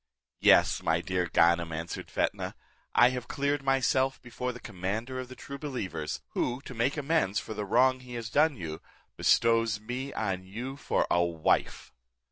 "Yes, my dear Ganem," answered Fetnah, "I have cleared myself before the commander of the true believers, who, to make amends for the wrong he has done you, bestows me on you for a wife."